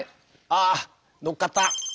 ああのっかった。